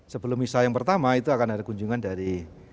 sebelum misa yang pertama itu akan ada kunjungan dari